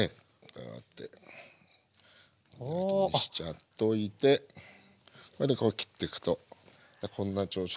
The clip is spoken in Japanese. こうやって開きにしちゃっといてそれでこう切っていくとこんな調子でいつもこうやって。